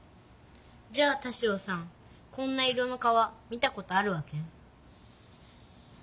じゃあ田代さんこんな色の川見たことあるわけ？